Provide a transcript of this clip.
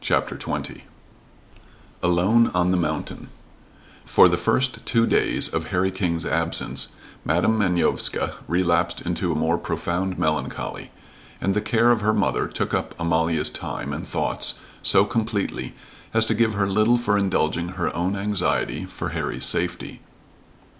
CHAPTER XX ALONE ON THE MOUNTAIN For the first two days of Harry King's absence Madam Manovska relapsed into a more profound melancholy, and the care of her mother took up Amalia's time and thoughts so completely as to give her little for indulging her own anxiety for Harry's safety.